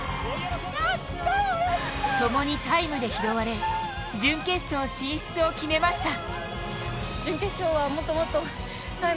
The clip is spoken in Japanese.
共にタイムで拾われ準決勝進出を決めました。